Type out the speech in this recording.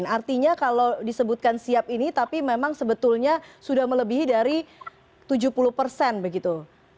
artinya kalau disebutkan siap ini tapi memang sebetulnya sudah melebihi dari tujuh puluh persen begitu